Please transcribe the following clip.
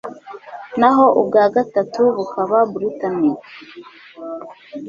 naho ubwa gatatu bukaba Britannic